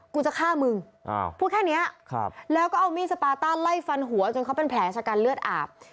กูจะฆ่ามึงพูดแค่นี้แล้วก็เอามีดสปาต้าไล่ฟันหัวจนเขาเป็นแผลชะกันเลือดอาบ